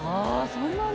そんなに？